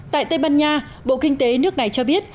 tại tây ban nha bộ kinh tế nước này cho biết